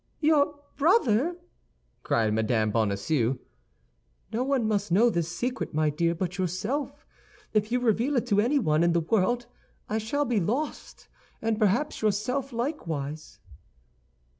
"Your brother!" cried Mme. Bonacieux. "No one must know this secret, my dear, but yourself. If you reveal it to anyone in the world, I shall be lost, and perhaps yourself likewise."